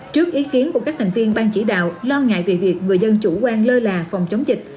trước ý kiến của các thành viên ban chỉ đạo lo ngại về việc người dân chủ quan lơ là phòng chống dịch